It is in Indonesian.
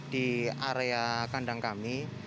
di area kandang kami